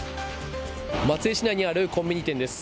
松江市内にあるコンビニ店です。